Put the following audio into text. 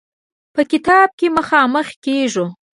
په کتاب کې مخامخ کېږو.